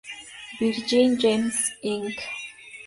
Virgin Games, Inc.